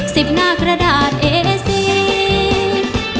สิบหน้ากระดาษเอสสิบ